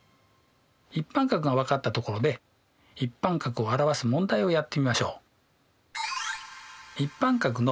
一般角が分かったところで一般角を表す問題をやってみましょう。